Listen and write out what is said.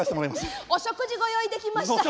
お食事ご用意できました。